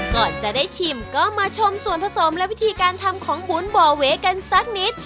ก่อนจะได้ชิมก็มาชมส่วนผสมและวิธีการทำของหุ่นบ่อเวกันสักนิด